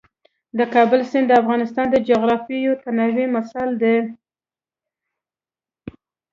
د کابل سیند د افغانستان د جغرافیوي تنوع مثال دی.